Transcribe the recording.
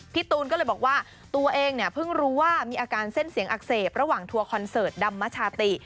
ตูนก็เลยบอกว่าตัวเองเนี่ยเพิ่งรู้ว่ามีอาการเส้นเสียงอักเสบระหว่างทัวร์คอนเสิร์ตดำมชาติ